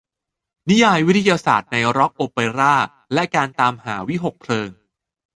นิยายวิทยาศาสตร์ในร็อคโอเปร่า และการตามหาวิหคเพลิง